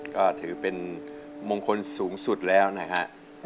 ก็ถือเป็นมงคลสูงสุดแล้วนะฮะ